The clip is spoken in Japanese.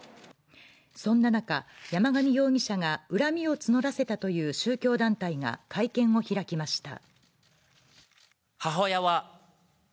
そんな中、山上容疑者が恨みを募らせたという宗教団体が会見を開きました。